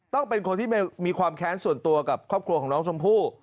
ต้องเป็นคนที่มีความแค้นส่วนตัวกับครอบครัวของน้องชมพู่